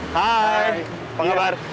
hai apa kabar